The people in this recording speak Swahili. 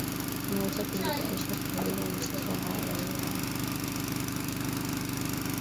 tunaweza kujitayarisha kwa ajili ya masoko haya ya ya ulaya